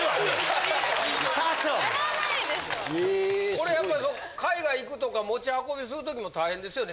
これやっぱり海外行くとか持ち運びする時も大変ですよね？